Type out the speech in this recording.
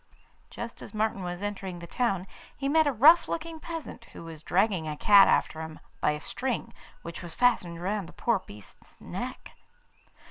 Just as Martin was entering the town he met a rough looking peasant who was dragging a cat after him by a string which was fastened round the poor beast's neck.